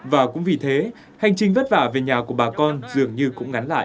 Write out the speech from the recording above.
và cũng vì thế hành trình vất vả về nhà của bà con dường như cũng ngắn lại